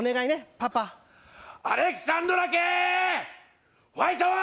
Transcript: パパアレキサンドラ家ファイト！